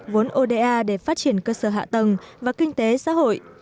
vốn oda để phát triển cơ sở hạ tầng và kinh tế xã hội